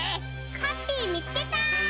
ハッピーみつけた！